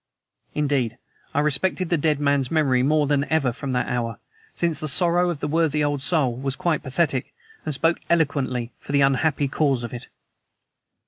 Indeed, I respected the dead man's memory more than ever from that hour, since the sorrow of the worthy old soul was quite pathetic, and spoke eloquently for the unhappy cause of it.